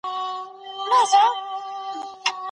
جدید دعوتونه د تاریخ په رڼا کي په یوه نوې لاره تلل غواړي.